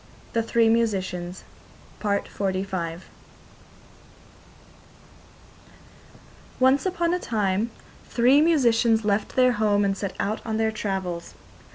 THE THREE MUSICIANS Once upon a time three musicians left their home and set out on their travels.